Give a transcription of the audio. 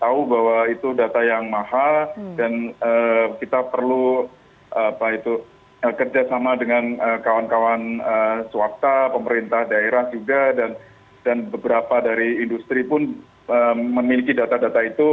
kita tahu bahwa itu data yang mahal dan kita perlu kerjasama dengan kawan kawan swasta pemerintah daerah juga dan beberapa dari industri pun memiliki data data itu